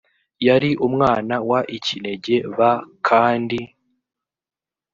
yari umwana w ikinege b kandi